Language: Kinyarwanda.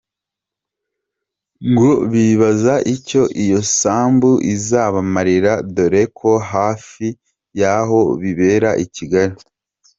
Ngo bibaza icyo iyo sambu izabamarira dore ko hafi ya bose bibera i Kigali.